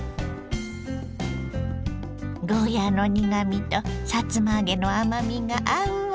ゴーヤーの苦みとさつま揚げの甘みが合うわ。